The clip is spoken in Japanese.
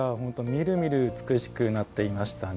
みるみる美しくなっていましたね。